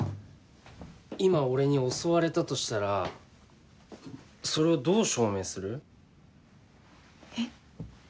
今俺に襲われたとしたらそれをどう証明する？え？